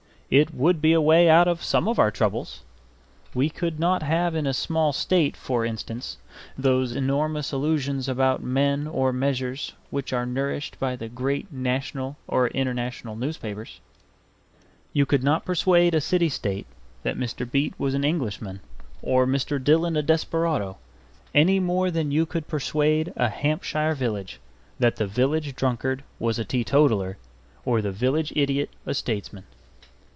It would be a way out of some of our troubles; we could not have in a small state, for instance, those enormous illusions about men or measures which are nourished by the great national or international newspapers. You could not persuade a city state that Mr. Beit was an Englishman, or Mr. Dillon a desperado, any more than you could persuade a Hampshire Village that the village drunkard was a teetotaller or the village idiot a statesman.